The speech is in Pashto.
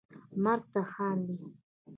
مرګ ته خاندي